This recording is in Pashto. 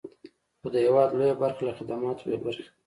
خو د هېواد لویه برخه له خدماتو بې برخې ده.